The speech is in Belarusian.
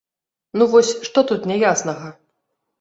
Ну вось, што тут няяснага?!